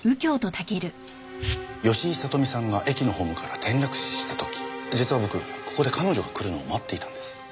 吉井聡美さんが駅のホームから転落死した時実は僕ここで彼女が来るのを待っていたんです。